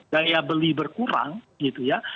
daya beli berkurang gitu ya